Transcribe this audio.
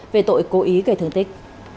về tội cố ý gây thương tích